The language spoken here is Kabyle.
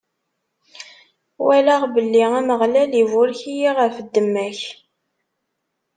Walaɣ belli Ameɣlal iburek-iyi ɣef ddemma-k.